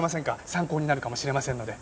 参考になるかもしれませんので。